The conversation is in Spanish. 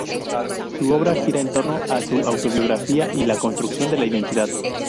Su obra gira en torno a su autobiografía y la construcción de la identidad.